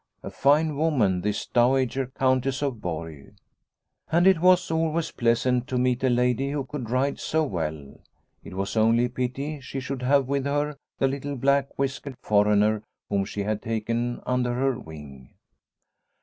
A fine woman this dowager Countess of Borg ! And it was always pleasant to meet a lady who could ride so well. It was only a pity she should have with her the little black whiskered foreigner whom she had taken under her wing.